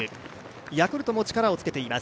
ヤクルトも力をつけています。